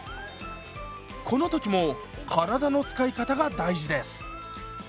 この時も体の使い方が大事です。